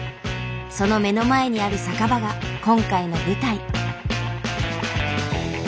その目の前にある酒場が今回の舞台。